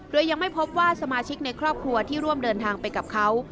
โดยยังไม่พบว่าสมาชิกในครอบครัวที่ร่วมเดินทางไปกับเขา